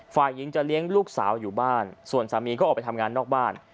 ฝ่ายหญิงจะเลี้ยงลูกสาวอยู่บ้านส่วนสามีก็ออกไปทำงานนอกบ้าน